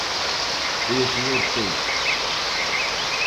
Foi o señor Touzas.